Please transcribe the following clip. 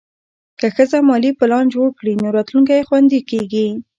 که ښځه مالي پلان جوړ کړي، نو راتلونکی خوندي کېږي.